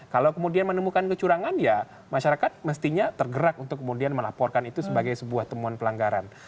kalau kemudian menemukan kecurangan ya masyarakat mestinya tergerak untuk kemudian melaporkan itu sebagai sebuah temuan pelanggaran